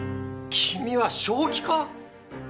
君は正気か？